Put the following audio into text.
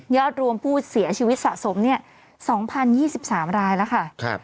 อดรวมผู้เสียชีวิตสะสม๒๐๒๓รายแล้วค่ะ